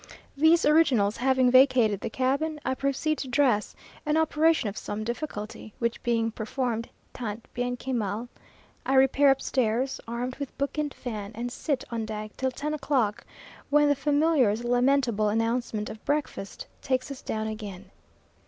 These originals having vacated the cabin, I proceed to dress, an operation of some difficulty, which being performed tant bien que mal, I repair upstairs, armed with book and fan, and sit on deck till ten o'clock, when the familiar's lamentable announcement of breakfast takes us down again.